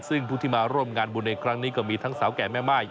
ซึ่งผู้ที่มาร่วมงานบุญในครั้งนี้ก็มีทั้งสาวแก่แม่ม่าย